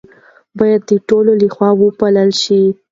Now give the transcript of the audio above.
باید د ټولو لخوا وپالل شي.